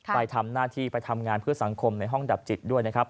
ไปทำหน้าที่ไปทำงานเพื่อสังคมในห้องดับจิตด้วยนะครับ